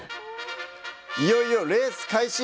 いよいよ、レース開始！